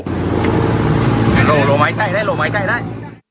lộ máy chạy đây lộ máy chạy đây